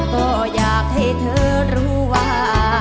ก็อยากให้เธอรู้ว่า